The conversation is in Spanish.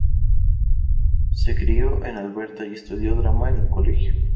Se crio en Alberta y estudió drama en el colegio.